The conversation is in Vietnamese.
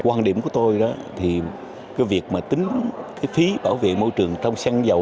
quan điểm của tôi đó thì cái việc mà tính cái phí bảo vệ môi trường trong xăng dầu